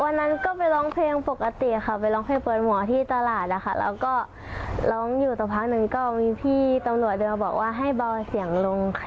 หนูก็เบาค่ะแล้วก็หนูก็บอกพี่เขาว่าหนูเก็บเลยก็ได้ค่ะ